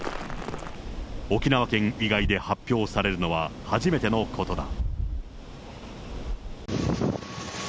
沖縄県以外で発表されるのは初めてのことだ。